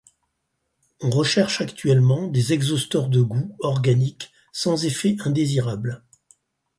On recherche actuellement des exhausteurs de goût organiques sans effets indésirables.